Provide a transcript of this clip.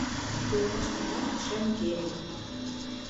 Йоллаштынат - шем кеме.